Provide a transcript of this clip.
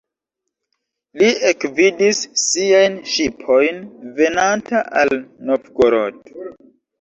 Li ekvidis siajn ŝipojn venanta al Novgorod.